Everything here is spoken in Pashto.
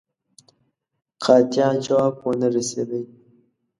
قاطع جواب ونه رسېدی.